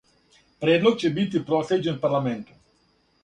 Предлог ће бити прослеђен парламенту.